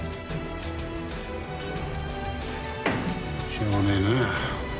しょうがねえな。